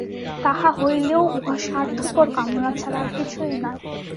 তাহা হইলেও উহা স্বার্থপর কামনা ছাড়া আর কিছুই নয়।